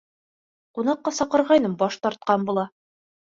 Ҡунаҡҡа саҡырғайным, баш тартҡан була.